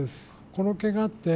このけがって。